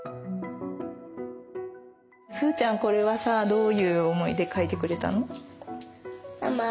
これはさぁどういう思いで描いてくれたの？